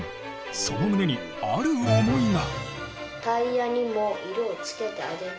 その胸にある思いが。